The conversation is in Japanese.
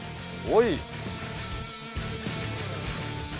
おい！